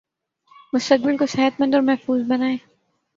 مستقبل کو صحت مند اور محفوظ بنائیں